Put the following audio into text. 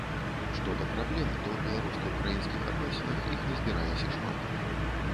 Што да праблем, то ў беларуска-украінскіх адносінах, іх назбіралася шмат.